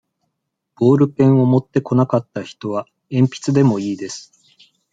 ボールペンを持ってこなかった人は、えんぴつでもいいです。